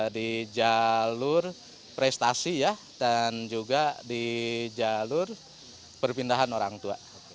di jalur prestasi ya dan juga di jalur perpindahan orang tua